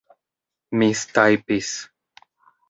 mistajpis